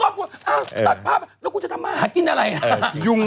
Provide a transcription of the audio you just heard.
ไม่ใช่อย่ายุ่ง